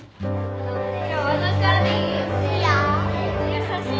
優しいし。